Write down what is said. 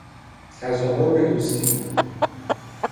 تظاهر به دوستی